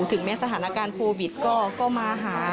ถึงแม้สถานการณ์โควิดก็มาหา